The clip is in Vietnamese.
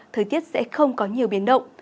thời tiết sẽ không có nhiều biến động